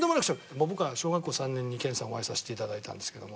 僕が小学校３年に健さんお会いさせて頂いたんですけども。